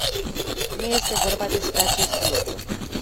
Nu este vorba despre acest lucru.